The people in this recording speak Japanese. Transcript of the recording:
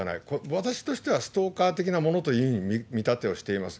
私としては、ストーカー的なものという見立てをしています。